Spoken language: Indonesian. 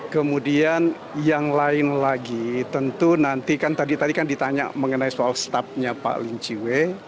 kemudian yang lain lagi tentu nanti kan tadi tadi kan ditanya mengenai soal staff nya pak lin che wei